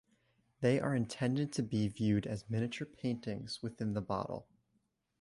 They are intended to be viewed as miniature paintings within the bottle.